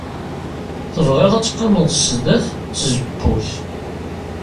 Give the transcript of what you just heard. Tebɣiḍ ad teqqimeḍ sdat tzewwut?